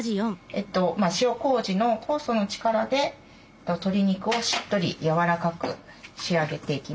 塩こうじの酵素の力で鶏肉をしっとりやわらかく仕上げていきます。